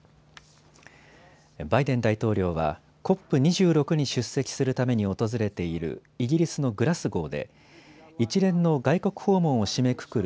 バイデン大統領はＣＯＰ２６に出席するために訪れているイギリスのグラスゴーで一連の外国訪問を締めくくる